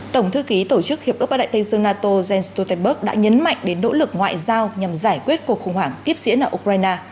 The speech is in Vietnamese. tổng thư ký tổ chức hiệp ước bắc đại tây dương nato jens stoltenberg đã nhấn mạnh đến nỗ lực ngoại giao nhằm giải quyết cuộc khủng hoảng tiếp diễn ở ukraine